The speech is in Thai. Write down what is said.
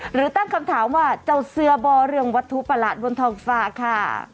หรือตั้งคำถามว่าเจ้าเสื้อบ่อเรื่องวัตถุประหลาดบนทองฟ้าค่ะ